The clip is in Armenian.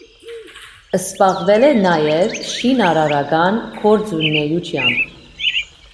Զբաղվել է նաև շինարարական գործունեությամբ։